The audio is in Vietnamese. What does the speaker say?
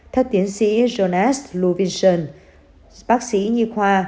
thất tiến sĩ jonas lovinsson bác sĩ nhi khoa